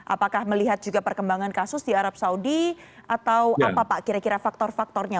apakah melihat juga perkembangan kasus di arab saudi atau apa pak kira kira faktor faktornya